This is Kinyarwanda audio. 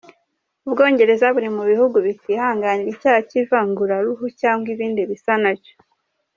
U Bwongereza buri mu bihugu bitihanganira icyaha cy’ivanguraruhu cyangwa ibindi bisa na cyo.